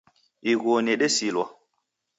Ighuo nedesilwa